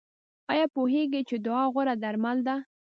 ایا پوهیږئ چې دعا غوره درمل ده؟